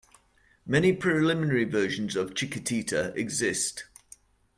Many preliminary versions of "Chiquitita" exist.